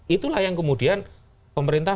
itulah yang kemudian pemerintah